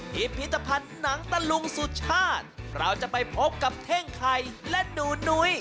พิพิธภัณฑ์หนังตะลุงสุชาติเราจะไปพบกับเท่งไข่และหนูนุ้ย